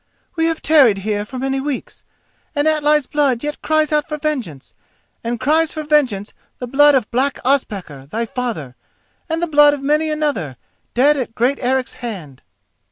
"We have tarried here for many weeks, and Atli's blood yet cries out for vengeance, and cries for vengeance the blood of black Ospakar, thy father, and the blood of many another, dead at great Eric's hand."